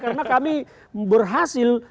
karena kami berhasil